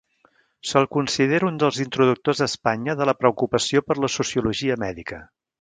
Se'l considera un dels introductors a Espanya de la preocupació per la sociologia mèdica.